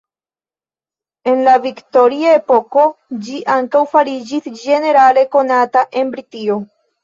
En la viktoria epoko ĝi ankaŭ fariĝis ĝenerale konata en Britio.